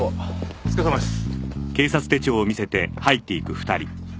お疲れさまです。